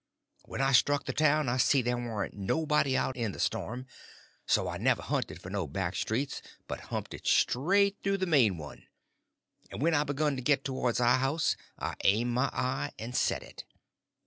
When I struck the town I see there warn't nobody out in the storm, so I never hunted for no back streets, but humped it straight through the main one; and when I begun to get towards our house I aimed my eye and set it.